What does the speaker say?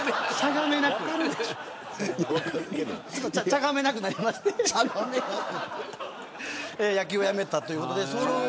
ちゃがめなくなりまして野球をやめたということで。